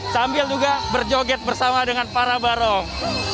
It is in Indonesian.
sambil juga berjoget bersama dengan para barong